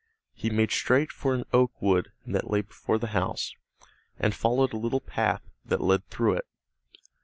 He made straight for an oak wood that lay before the house, and followed a little path that led through it.